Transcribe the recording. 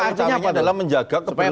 artinya adalah menjaga keberlanjutan